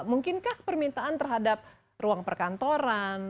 mungkinkah permintaan terhadap ruang perkantoran